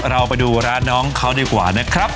เราไปดูร้านน้องเขาดีกว่านะครับ